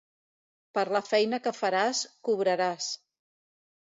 Per la feina que faràs, cobraràs.